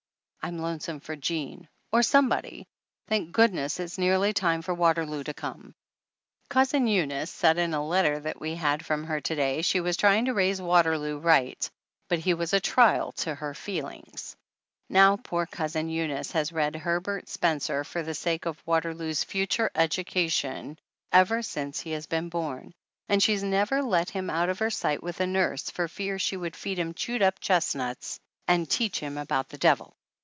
I'm lonesome for Jean or somebody ! Thank goodness it is nearly time for Waterloo to come ! Cousin Eunice said in a letter that we had from her to day she was trying to raise Waterloo right, but he was a trial to her feelings ! Now, poor Cousin Eunice has read Herbert Spencer for the sake of Waterloo's future education 270 THE ANNALS OF ANN ever since he has been born, and she has never let him out of her sight with a nurse for fear she would feed him chewed up chestnuts and teach him about the Devil.